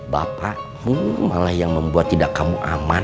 bapakmu malah yang membuat tidak kamu aman